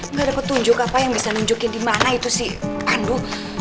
nggak ada petunjuk apa yang bisa nunjukin di mana itu si pandu